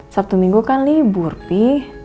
sabtu minggu kan libur